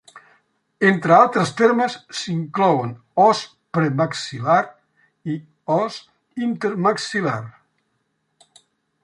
Entre altres termes, s'inclouen "os premaxil·lar" i "os intermaxil·lar".